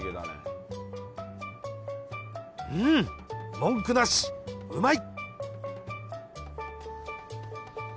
文句なしうまい！